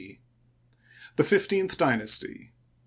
C. The Fifteenth Dynasty.